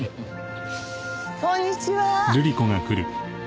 こんにちは。